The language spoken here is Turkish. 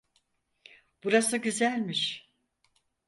Burası güzelmiş.